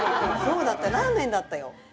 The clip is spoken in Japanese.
そうだったラーメンだったよ